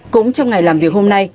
cũng trong ngày làm việc hôm nay